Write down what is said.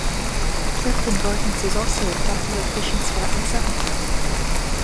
Clifton Gardens is also a popular fishing spot in summer.